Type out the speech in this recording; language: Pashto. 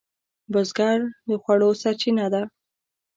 بزګر د خوړو سرچینه ده